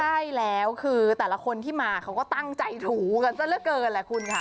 ใช่แล้วคือแต่ละคนที่มาเขาก็ตั้งใจถูกันซะละเกินแหละคุณค่ะ